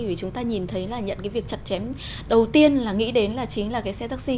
vì chúng ta nhìn thấy là nhận cái việc chặt chém đầu tiên là nghĩ đến là chính là cái xe taxi